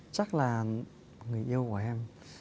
chắc là người yêu của em